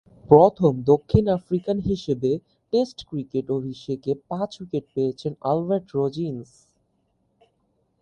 প্রথম দক্ষিণ আফ্রিকান হিসেবে টেস্ট ক্রিকেট অভিষেকে পাঁচ-উইকেট পেয়েছেন আলবার্ট রোজ-ইন্স।